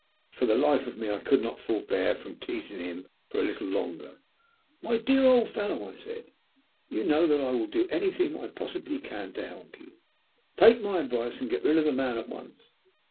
For the life of me I could not forbear from teasing him for a little longer. "My dear old fellow," I said, "you know that I will do anything I possibly can to help you. Take my advice and get rid of the man at once.